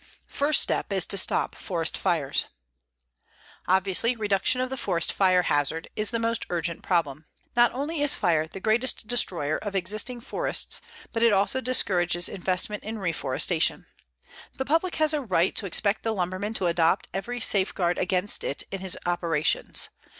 FIRST STEP IS TO STOP FOREST FIRES Obviously reduction of the forest fire hazard is the most urgent problem. Not only is fire the greatest destroyer of existing forests, but it also discourages investment in reforestation. The public has a right to expect the lumberman to adopt every safeguard against it in his operations.